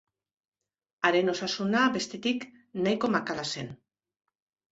Haren osasuna, bestetik, nahiko makala zen.